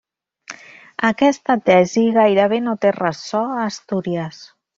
Aquesta tesi gairebé no té ressò a Astúries.